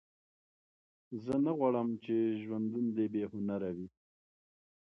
زه خو نه غواړم ژوندون د بې هنبرو.